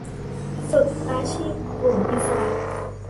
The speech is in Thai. ฝึกอาชีพกลุ่มอิสระ